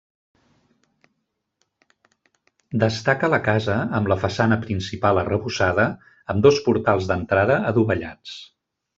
Destaca la casa, amb la façana principal arrebossada, amb dos portals d'entrada adovellats.